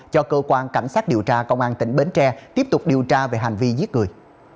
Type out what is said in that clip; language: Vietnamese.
cho cơ quan cảnh sát điều tra công an tỉnh bến tre tiếp tục điều tra về hành vi giết người